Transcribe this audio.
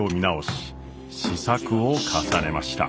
試作を重ねました。